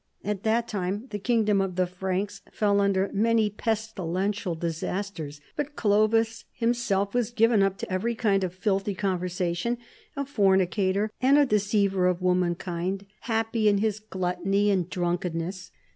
At that time the king dom of the Franks fell under many pestilential dis asters. But Clovis himself was given up to every kind of filthy conversation, a fornicator and a deceiver of womankind, happy in his gluttony and drunk enness.